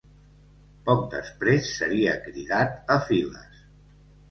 Poc després seria cridat a files.